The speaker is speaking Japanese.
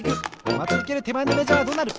まちうけるてまえのメジャーはどうなる？